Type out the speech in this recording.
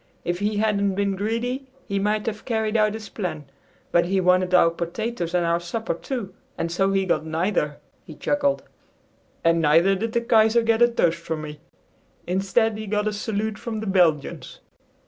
If he hadn't been greedy, he might have carried out his plan, but he wanted our potatoes and our supper too; and so he got neither!" he chuckled. "And neither did the Kaiser get a toast from me! Instead, he got a salute from the Belgians."